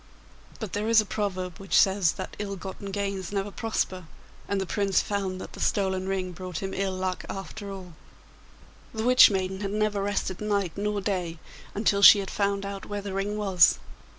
But there is a proverb which says that ill gotten gains never prosper, and the Prince found that the stolen ring brought him ill luck after all. The Witch maiden had never rested night nor day until she had found out where the ring was.